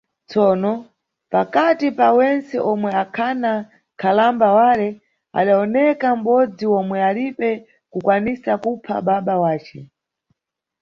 Tsono, pakati pa wentse omwe akhana nkhalamba wale, adawoneka m`bodzi omwe alibe kukwanisa kupha baba wace.